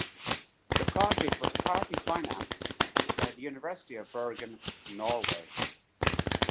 The project was partly financed by the University of Bergen, Norway.